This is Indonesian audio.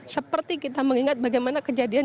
seperti kita mengingat bagaimana kejadian